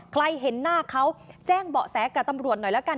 ใครเห็นหน้าเขาแจ้งเบาะแสกับตำรวจหน่อยแล้วกัน